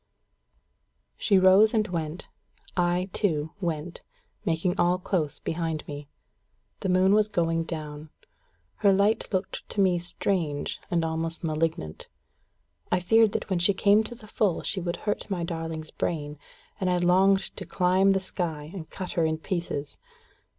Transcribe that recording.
She rose and went. I, too, went, making all close behind me. The moon was going down. Her light looked to me strange, and almost malignant. I feared that when she came to the full she would hurt my darling's brain, and I longed to climb the sky, and cut her in pieces.